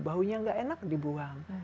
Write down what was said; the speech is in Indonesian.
baunya tidak enak dibuang